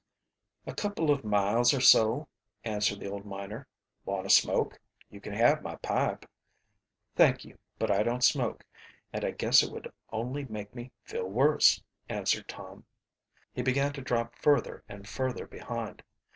"A couple of miles or so," answered the old miner. "Want a smoke? You can have my pipe." "Thank you, but I don't smoke, and I guess it would only make me feel worse," answered Tom. He began to drop further and further behind.